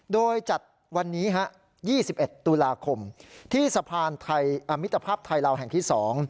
โดยจัดวันนี้๒๑ตุลาคมที่สะพานมิตรภาพไทยลาวแห่งที่๒